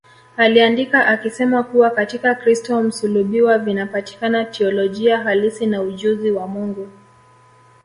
Aliandika akisema kuwa Katika Kristo msulubiwa vinapatikana teolojia halisi na ujuzi wa Mungu